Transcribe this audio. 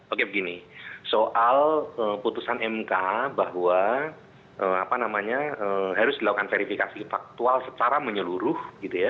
oke begini soal putusan mk bahwa harus dilakukan verifikasi faktual secara menyeluruh gitu ya